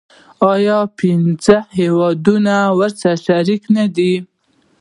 آیا پنځه هیوادونه ورسره شریک نه دي؟